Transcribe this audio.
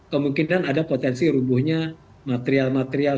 kemungkinan ada potensi rubuhnya material material